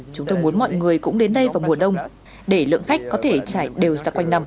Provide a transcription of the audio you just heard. chúng tôi muốn mọi người cũng đến đây vào mùa đông để lượng khách có thể trải đều ra quanh năm